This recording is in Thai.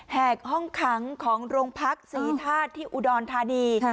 แหกห้องขังของโรงพักษีธาตุที่อุดรธานี